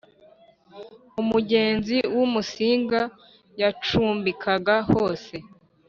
umugenzi w'Umusinga yacumbikaga hose